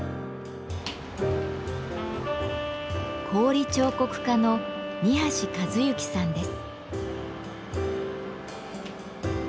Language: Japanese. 氷彫刻家の二一幸さんです。